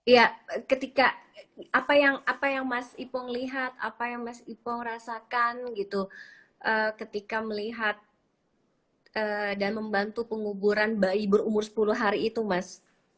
ya ketika apa yang mas ipong lihat apa yang mas ipong rasakan gitu ketika melihat dan membantu penguburan bayi berumur sepuluh hari itu mas